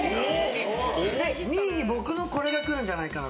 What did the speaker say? で２位に僕のこれが来るんじゃないかなと。